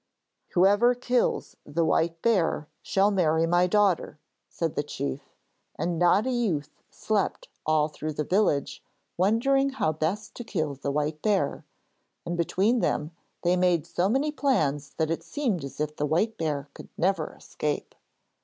'Whoever kills that white bear shall marry my daughter,' said the chief, and not a youth slept all through the village, wondering how best to kill the white bear, and between them they made so many plans that it seemed as if the white bear could never escape.